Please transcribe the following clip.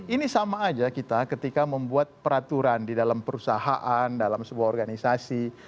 ini sama aja kita ketika membuat peraturan di dalam perusahaan dalam sebuah organisasi